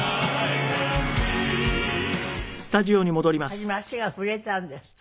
初め足が震えたんですって？